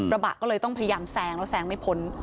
กระบะก็เลยต้องพยายามแซงแล้วแซงไม่พ้น